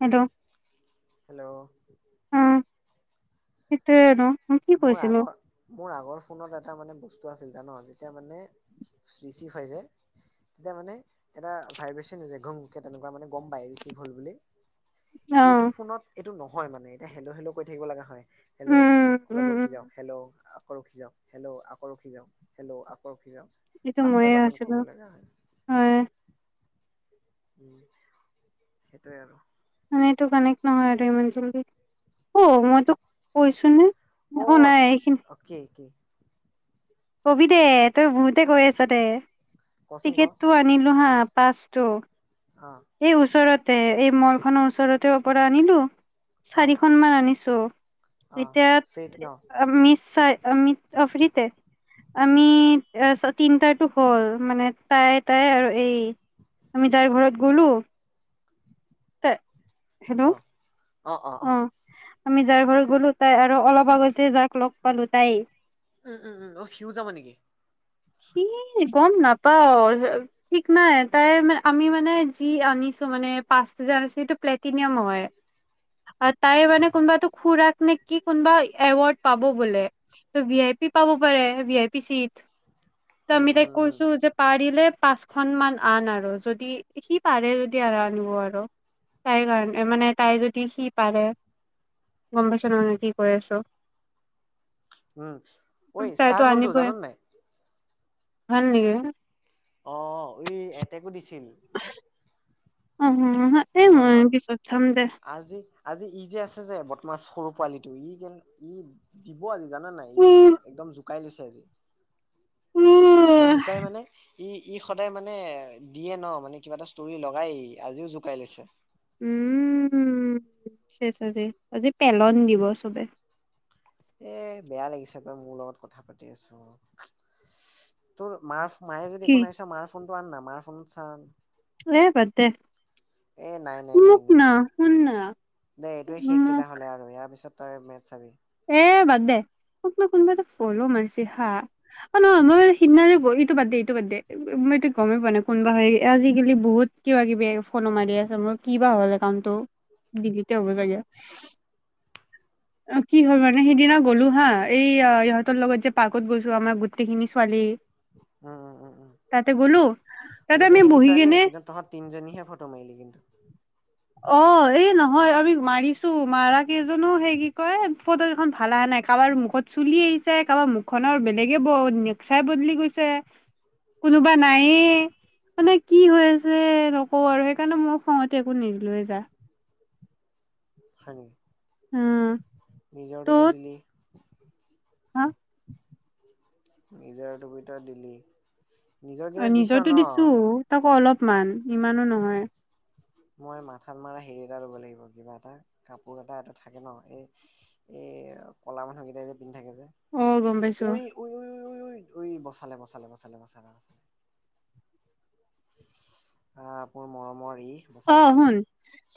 Hello hello সেইটো, মোৰ আগৰ মোৰ আগৰ ফোনত এটা মানে [unintelligible] ঘুমকে তেনেকুৱাানে গম পাই ৰিচিভ হ'ল বুলি অ এইটো ফোনত এইটো নহয় মানে এতিয়া হেল' হেলেলো কৰি থাকিব লগা হয় হেল্ল' উম উম অলপ ৰখি উম যাওক হেল্ল' আকৌ ৰখি যাওক হেল্ল' আকৌ ৰখি যাও হেল্ল' আকৌ ৰখি যাওক এইটো পাঁচ ময়ে ছয়বাৰ মান ক'ব আছিলো লগা হয় হয় উম সেইটোৱে আৰু সেইটো কানেক নহয় উ মইতো কৈছো ন অ নাই এইখিনি অ কি কি কবি দে তই বহুতে গৈ আছ দে কচোন ক টিকেটটো আনিলো হা পাঁচ অ এই ওচৰতে এই মল খনৰ ওচৰতে পৰা আনিলো অ চাৰিখনমানান আনিছো অ ইতিয়া ফ্ৰীত ন অমিত চাই অমিত আফৰিতে অ আমি তিনটা হ'ল মানে তাই তাই আৰু এই আমি যাৰ ঘৰত গ'লো অ হেল্ল' অ অ অ আমি যাৰ ঘৰত গ'লো তাই আৰু অলপ আগতে যাক লগ পালো তাই উম উম উম অ সিউ যাব নেকি? সি গম নাপাও ঠিক নাই তাই মানে আমি মানে যি আনি মানে পাচ সেইটো প্লেটিনিয়াম হয় [unintelligible] তাই মানে কোনোবাতটো খুৰাক নে কি কোনোবা এৱৰ্ড পাব বোলে ত ভি আই পি পাব পাৰে ভি আই পি চিত ত উম আমি তাই উম উম কৈছো যে পাৰিলে পাঁচখন মান আন আৰু যদি সি পাৰে যদি আৰু আনিব আৰু তাই কাৰণে মানে তাই যদি সি পাৰে গম পাইছ ন মই কি কৈ আছ উম ঐ ষ্টাৰ্ট হ'লটো জানন নাই? হানে [unintelligible] অ এতেকো দিছিল। [unintelligible] অ এই নহ'ল ন মই পিছত চাম দে। আজি আজি ই যে আছে যে ব মাছ সৰু পোৱালি টো ই কে ই দিব আজি জানা নাই ই একদম জ কাই লৈছে আজি উম অ জোকাই মানে ই ই সদায় মানে দিয়ে ন মানে কিবা এটা ষ্টৰি লগাই আজিও জোকাই লৈছে। উম চেচ আজি আজি পেলন দিব চবে! এ বেয়া লাগিছে তই মোৰ লগত কথা পাতি আছো তোৰ মাৰ মায়ে যদি কি একো নাইছা মাৰ ফোনটো আন ন মাৰ ফোনত চা এ বাদ দে এ মুক ন শুন্ ন দেই এইটোয়ে শেষ তেতিয়া হ'লে আৰু ইয়াৰ পিছত তই মেটচ চাবি কলো মাৰছি হা অ নহ মই সিদিনা ইটো বাদ দে এইটো বাদ দে মই এইটো গমেই পোৱা নাই কোন বা আজিকালি বহুত কিবা কিবি ফোন মাৰি আছে মোক কি বা হল একাউণ্টটো ডিলিতে হ'ব চাগে কি হয় মানে সেইটো দিনা গ'লো হা এই ইহঁতৰ লগত যে পাৰ্কত গৈছো আমাৰ গোটেইখিনি ছোৱালী উম উম উম তাতে গ'লো তাতে আমি গোটেইখিনি বহি ছোৱালী কেনে কিন্তু তহঁত তিনজনীহে ফটো মাৰিলি কিন্তু অ এই নহয় আমি মাৰিছো মাৰা কেইজনো সেই কি কয় ফটো কেইখন ভাল আহা নাই কাবাৰ মুখত চুলি আহিছে কাবা মুখখননৰ বেলেগে ব চাই ব [unintelligible] গৈছে কোনোবা নাইয়ে মানে কি হৈ আছে নকওঁ আৰু সেইকাৰণে মই খঙতে একো নিদিলোৱে যা হয় নেকি উম নিজৰততো তত দিলি হা নিজৰ [unintelligible] দিলি নিজৰ কেইটা অ দিছ নিজৰটো ন দিছো তাকো অলপমান ইমানো নহয় মই মাথাত মাৰা হেৰি এটা ল'ব লাগিব কিবা এটা কাপোৰ এটা এইটো থাকে ন এ এ এয়া কলা মানুহ কেইটাই যে পিন্ধি থাকে যে অ গম পাইছো উই উই উ উই উই উই বচালে বচালে বচালে বচালে বচালে হপোৰ মৰমৰ ই বচাই অ দিলে শুন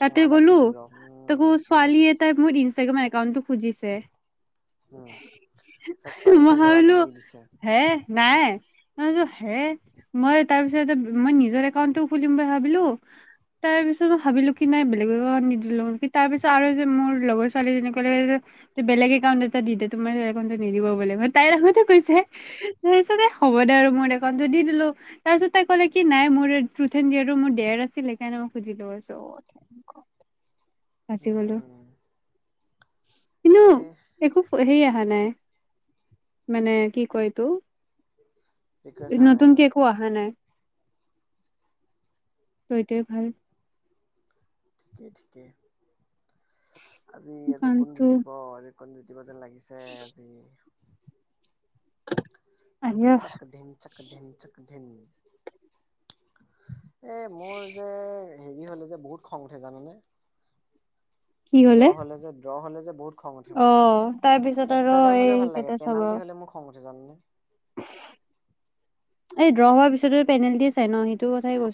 তাতে এটা দি গ'লো দিওঁ ৰ উম তাকো উম ছোৱালীয়ে তাই মোৰ ইনষ্টাগ্ৰাম একাউণ্ট খুজিছে উম পিছত মই ছোৱালীটোৱে ভাবিলো ল'ৰাটোক দি দিছে হে নাই হে মই তাৰ পিছত মই নিজৰ একাউন্টটো খুলিম বুলি ভাবিলো তাৰ পিছত মই ভাবিলো কি নাই বেলেগক নিদিলো কি তাৰ পিছত আৰু যে মোৰ লগৰ ছোৱালী জেনী ক'লে যে ত বেলেগে একাউণ্ট দি তোমাৰ একাউণ্টটো নিদিব বলে তাইৰ আগতে কৈছে পিছতে হ'ব দে আৰু মোৰ একাউণ্টটো দি দিলো তাৰ পিছত তাই ক'লে কি নাই মোৰ ট্ৰুথ এন্ড দেৰ ত দেৰ আছিল সেইকাৰণে মই খুজিলোত কৈছোঁ [inaudible] অ এই সেই অহা নাই মানে কি কয় এইটো একোৱে চাহ নাই ন নতুনকে একো আহা নাই। তইটোৱে ভাল। ঠিকেই-ঠিকেই আজি-আজি কোন কামটো জিকিব আজি কোন জিকিব দিব যেন লাগিছে আজি। [unintelligible] আহি ধিন চাক ধিন চাক ধিন চাক ধিন এই মোৰ যে হেৰি হ'লে যে বহুত খং উঠে জানানে। ড্ৰ হলে যে ড্ৰ হলে যে বহুত খং উঠে অ তাৰ মোৰ পিছত আৰু এক্সট্ৰা টাইম এই হলেও ভাল লাগে কেইটা চাব পেনালেটি হলে মোৰ খং উঠে এতিয়া যামনে এই ড্ৰ হোৱাৰ পিছত পেনাল্টীয়ে চাই ন সি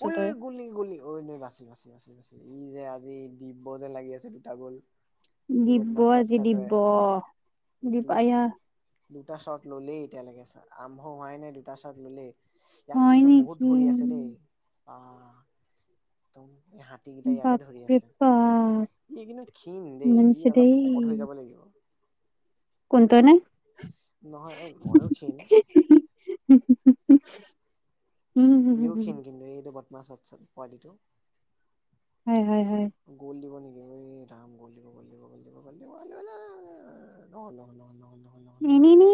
ঔ ঔ গলেই গলেই অই ন বাচিল বাচিল বাচিল ই যে আজি দিব যেন লাগি আছে দুটা গ'ল এই দিব বদমাছ আজি বাচ্ছাটোৱে দিব ই দিব দু আয়া দুটা শ্বৰ্ট ললেই এতিয়ালেকে আৰম্ভ হোৱাই নে দুটা শ্বৰ্ট ললেই। ইয়াক হয় কিন্তু নেকি বহুত ধৰি আছে দেই বা একদম এই হাতীকেইটা ইয়াকে ধৰি বাপৰে আছে। বাপ ই কিন্তু ক্ষীণ দেই মনছো ই দেই অলপ শকত হৈ যাব লাগিব। কোনটো নে? নহয় সেই ময়ো ক্ষীণ। [unintelligible] ইও ক্ষীণ কিন্তু এইটো বদমাছ বাটচা পোৱালিটো। হয় হয় হয় গ'ল দিব নিকি এই ৰাম গল দিব গল দিব গল দিব [unintelligible] ন ন ন নহল নহল এনে নি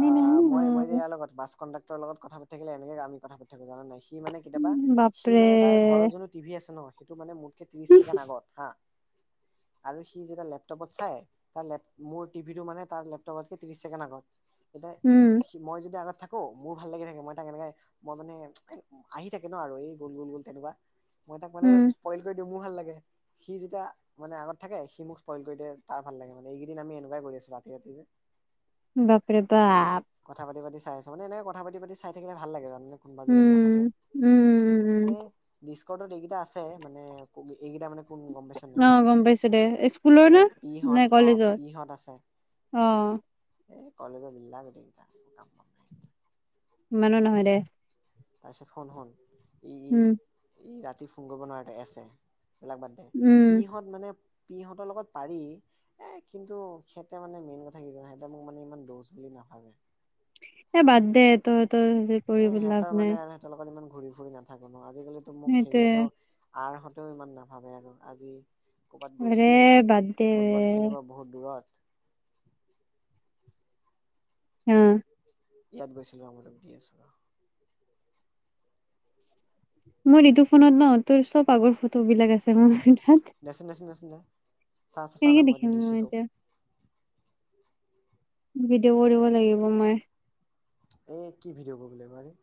আ মই মই যে নি ইয়াৰ লগত বাচ কণ্ডাক্ তোৰ লগত কথা পাতি থাকিলে এনেকে আমি কথা পাতি থাকিম জানা নাই সি মানে কেতিয়াবা সি বাপৰে মানে তাৰ ঘৰৰ যোনটো টিভি আছে ন সেইটো মানে মোৰ সেই ত্ৰিশ ছেকেণ্ড আগত হা আৰু সি যেতিয়া লেপটপত চাই তাৰ লেপ মোৰ টিভিটো মানে তাৰ লেপটপতকে ত্ৰিশ ছেকেণ্ড আগত তেতিয়া উম, সি মই যদি আগত থাকো মোৰ ভাল লাগি থাকে মই তাক এনেকে মই মানে আহি থাকে ন আৰু এই গল গল গল তেনেকুৱা মই তাক মানে উম, স্পইল কৰি মোৰ ভাল লাগে সি যেতিয়া মানে আগত থাকে সি মোক স্পইল কৰি দে তাৰ ভাল লাগে মানে এইকেইদিন আমি এনেকুৱাই কৰি ছো ৰাতি ৰাতি যে বাপৰে বা কথা পাতি পাতি চাই আছো মানে এনেকে কথা পাতি পাতি চাই থাকিলে ভাল লাগে জাননে ফন বুজিলে এনকা থাকে উম, উম, উম, উম, এ ডিস্কটো একেদিন আছে মানে সেইকেইটা মানে কোন গম পাইছা নাই অ', গম পাইছো দে স্কুলৰ এ নে? পি হত অ পি হঁত আছে। অহ এই কলেজৰ বিলা গোটেইকেটা এনে কাম বন নাইকিয়া ইমানো নহয় দে। পাইচিত খন হল উম পি ফোন কৰিব নোৱাৰে তাই ছে এইবিলাক বাদ দে উম, পিহঁত মানে - পিহঁতৰ লগত পাৰি এ কিন্তু সিহঁতে মানে মেইন কথা কি জানা সিহতে মোক মানে ইমান দৌচ বুলি না - নাভাবে এ বাদ দে তই তই হেবিলাক এ কৰি লাভ সিহঁতৰ মানে নাই - আৰু সিহঁতৰ লগত ইমান ঘূৰি ফুৰি নাথাকো ন আজিকালিতো মোক সেইটোয়ে হেৰিহঁতেও আই হঁতেও ইমান নাভাবে আৰু আজি - কবাত আৰে গৈছিল। বাদ দে ফুটবল খেলিব বহুত দূৰত। উম ইয়াত গৈছিলো আমলোক দি আছো ৰ - মোৰ ইতো ফোনত ন তোৰ চব আগৰ ফটো বিলাক আছে [unintelligible] দেচোন দেচোন দেচোন দে চা চা চা না কেনেকে এইটো দেখিম দিছো মই তোক এতিয়া? ভিডিঅ'কৰিব লাগিব মই। এ কি ভিডিঅ' কৰিব লাগিব আৰে -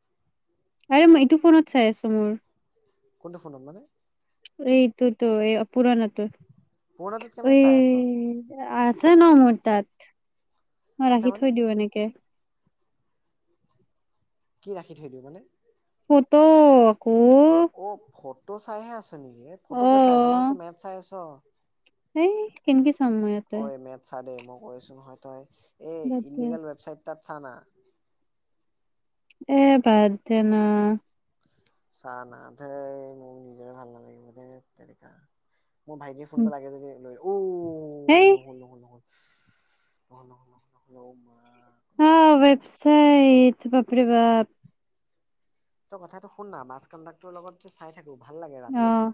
আৰে মই এইটো ফোনত চাই আছো মোৰ - কোনটো ফোনত মানে? এইটোতো এই পুৰনাটো পুৰণাটোত - অঐ কেনেকে চাই আছ আছে ন মৰো তাত। মই আছে ৰাখি মানে থৈ দিও এনেকে। কি ৰাখি থৈ দিওঁ মানে? [inaudible] অ ফটো চাইহে আছ নেকি এ ফটো অ কে চাই আছ মানে মই ভাবিছো মেফ চাই আছ। হেই কেনকে চম মই এতে? ঐ মেথ চা দেই মই কৈছো হয় তই এই বাদ দে ইলিগেল ৱেবচাইট তাত চানা। এ বাদ দে না। চা না ধেই মোৰ নিজৰ ভাল নালাগিব ধেততেৰিকা। মো ভাইটিৰ ফোনটো লাগে যদি লৈ ও - হেই [inaudible] অ, ব্যবচাইত বাপাৰে বাপ। তই কথাটো শুননা বাছ কান ডাক্টৰ লগত যে চাই থাকো ভাল লাগে অ ৰাতি ৰাতি।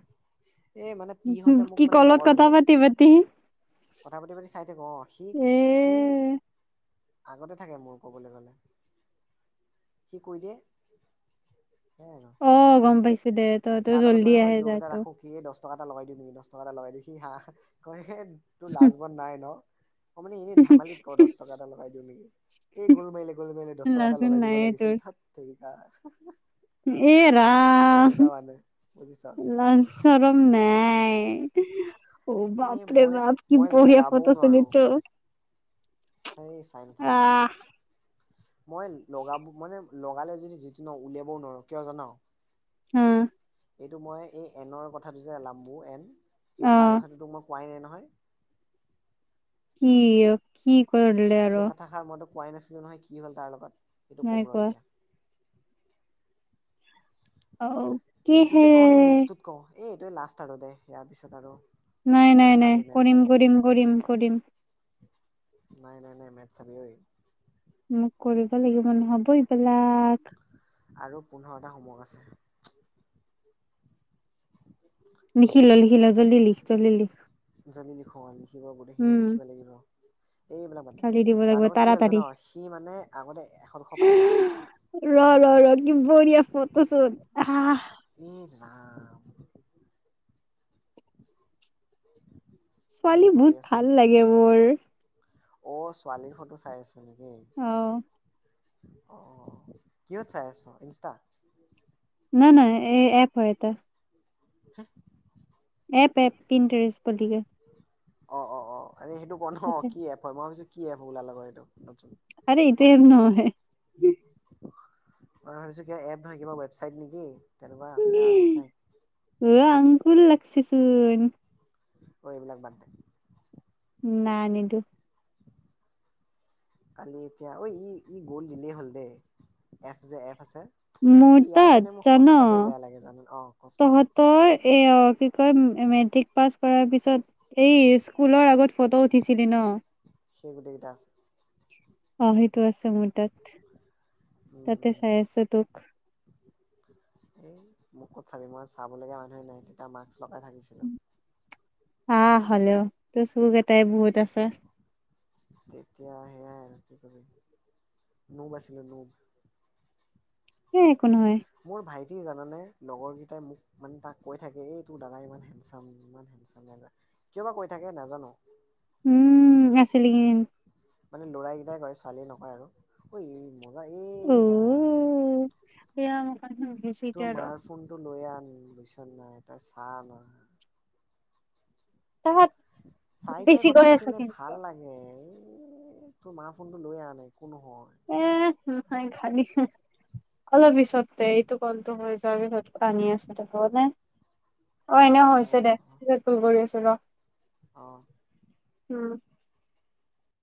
এই মানে পিহঁতে [unintelligible] মোক কি মানে কলত লগৰ কতা বুলি পাতি-বতি - কথা পাতি - পাতি চাই থাকোঁ অ, সি - সি - আগতে থাকে মোৰ ক'বলৈ গ'লে। সি কৈ দিয়ে। সেয়াই আৰু। অ গম পাইছো দে তই তো জল্দি আহে যাই টো - দছ টকা এটা লগাই দিম দছ টকা এটা লগাই দি সি হা তোৰ লাজ বন নাই ন? অ মানে এনে ধমালিত ক দহ টকা এটা লগাই দিওঁ নেকি এই [unintelligible] দছ টকা এটা লাচোন লগাই দিব নাইয়ে লাগিছিল তোৰ ধেতেৰী। [inaudible] এ, ৰা মানে বুজিছ লাচৰম নাই। ঔ এই বাপৰে মই বাপ কি মই বঢ়িয়া লগাবও ফত [unintelligible] হেই চাই নাথাক। মই লগাম, মানে লগালে [unintelligible] যিটো ন উলিয়াবও নোৱাৰো কিয় জান - হ এইটো মই এই এনৰ কথাটো যে [unintelligible] এন সেই তাৰ কথাটোো মই কোৱাই নাই ন হয়। কিও, কি কৰিলে আৰু সেই - কথাষাৰ মই তোক কোৱাই নাছিলো নহয় কি হ'ল তাৰ লগত এইটো কম ৰ এতিয়া - অও কহে? ই এইটো লাষ্ট [unintelligible] দে ইয়াৰ পিছত আৰু - নাই - নাই - নাই -কৰিম - কৰিম - কৰিম - কৰিম। নাই নাই নাই মেথ চাবি অই৷ মোক কৰিব লাগিব নহব এইবেলা আৰু পোন্ধৰটা হোমৱৰ্ক আছে৷ লিখি ল লিখি ল জল্দি লিখ জল্দি লিখ৷ জল্দি লিখো লিখিব গোটেইখিনি উম লিখিব লাগিব এইবিলাক মানে৷ কালি দিব তাৰ লাগিব লগত কি হল জান? তাৰাতাৰি সি মানে আগতে এশ দুশ পায় ন? ৰ ৰ ৰ কি বঢ়িয়া ফটো চ্যুট আহ ই [inaudible] কি যে ছোৱালী কৰি বহুত আছ ভাল লাগে মোৰ৷ অ ছোৱালীৰ ফটো চাই আছ নেকি? অ অঁ কিহত চাই আছ? ইনষ্টাত? নাই নাই এই এপ হয় এটা৷ হে এপ-এপ পিন্টেৰেষ্ট অ-অ-অ আৰে সেইটো ক ন তাতে কি এপ হয়৷ মই ভাবিছোঁ কি এপ ওলাল আৰু সেইটো। আৰে এইটো এপ নহয়ে। মই ভাবিছো কিবা এপ নহয় কিবা ৱেবচাইট নেকি তেনেকুৱা বেয়া বস্তু চায়। ফুল লাগচি চোন। অঁ এইবিলাক বাদ দে। নাই নিদো। কালি এতিয়া ঐ ই-ই গ'ল দিলেই হ'ল দেই এপ যে এপ আছে? মোৰ এই ইয়াৰ তাত কাৰণে মোৰ জান সঁচাকে বেয়া লাগে জানো অ কচোন কি তহঁতৰ এ অ কি কয় মেট্ৰিক পাছ কৰাৰ পিছত এই স্কুলৰ আগত ফটো উঠিছিলি ন? সেই গোটেকেইটা আছে৷ অ' সেইটো টো আছে মোৰ উম তাতে উম চাই আছো তোক এই মোক ক'ত চাবি মই চাবলগীয়া মানুহে নাই তেতিয়া মাস্ক লগাই থাকিছিলো৷ অহ, হলেও তোৰ চকুকেটাই বহুত আছে৷ তেতিয়া সেয়াই আৰু নোম আছিলে নোম হে একো নহয়৷ কি জানানে লগৰকেইটাই মোক মানে তাক কৈ থাকে এই তোৰ দাদা ইমান হেণ্ডচাম ইমান হেণ্ডচাম, কিয় বা কৈ থাকে নাজানো৷ উম, আছিলিগে। মানে ল'ৰাইকেইটাই কয় ছোৱালীয়ে নকয় আৰু ঐ এই মোৰ দা এ উম। এয়া ৰা মোক কালি গৈছে তোৰ এতিয়া ৰ মাৰ ফোনটো লৈ আন উ বুইছ নাই তই চা না। তাত চাই-চাই বেছি কথা কৈ আছে পাতিলে কিন্তু ভাল লাগে৷ এ তোৰ মাৰ ফোনটো লৈ আন নাই একো নহয়৷ এ খালী-খালী, অলপ পিছত দে এইটো কলটো হৈ যোৱা পিছত আনি আছো তে হব নে? অ' এনেও হৈছে অ অ দে৷ পিছত ফোন কৰি আছো ৰহ৷ অ', উম,